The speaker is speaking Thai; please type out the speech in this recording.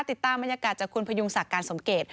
ติดตามบรรยากาศจากคุณพยุงศักดิ์การสมเกต